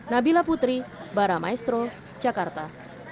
nabila putri baramaestro jakarta